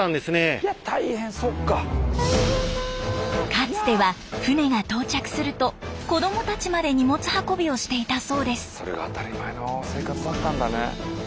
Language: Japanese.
かつては船が到着すると子供たちまで荷物運びをしていたそうです。